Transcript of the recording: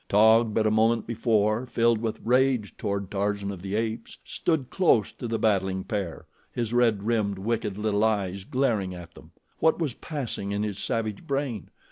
Taug, but a moment before filled with rage toward Tarzan of the Apes, stood close to the battling pair, his red rimmed, wicked little eyes glaring at them. What was passing in his savage brain?